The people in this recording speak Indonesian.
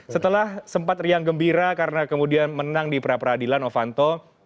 setelah sempat riang gembira karena kemudian menang di pra peradilan novanto